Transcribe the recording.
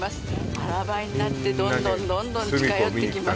腹ばいになってどんどんどんどん近寄ってきます